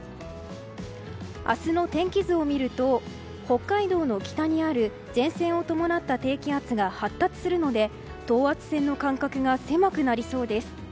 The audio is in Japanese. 明日の天気図を見ると北海道の北にある前線を伴った低気圧が発達するので等圧線の間隔が狭くなりそうです。